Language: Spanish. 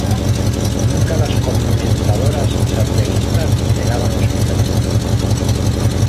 nunca las Comendadoras Santiaguistas negaban hospitalidad.